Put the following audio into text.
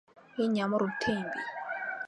Энэ ямар үнэтэй юм бэ?